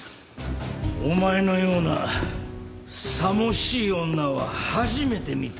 お前のようなさもしい女は初めて見た。